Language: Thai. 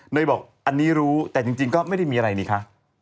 โดยบอกอันนี้รู้แต่จริงก็ไม่ได้มีอะไรนี่คะ